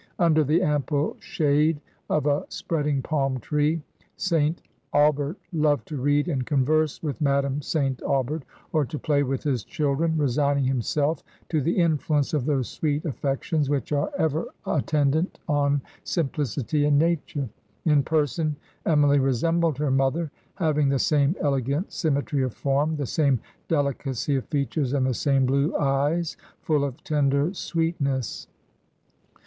... Under the ample shade of a spreading palm tree ... St. Aubert loved to read and converse with Madam St. Aubert, or to play with his children, resigning himself to the influence of those sweet affections which are ever 86 Digitized by VjOOQIC HEROINES OF MRS. RADCLIFFE attendant on simplicity and nature. ... In per son Emily resembled her mother, having the same ele gant symmetry of form, the same delicacy of features, and the same blue eyes, full of tender sweetness.